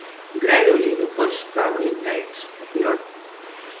Gradually the first travelling guides appeared.